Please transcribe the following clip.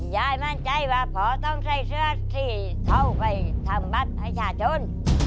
ยายมั่นใจว่าพ่อต้องใส่เสื้อที่เข้าไปทำบัตรประชาชน